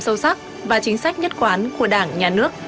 sâu sắc và chính sách nhất quán của đảng nhà nước